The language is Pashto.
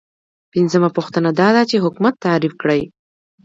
پنځمه پوښتنه دا ده چې حکومت تعریف کړئ.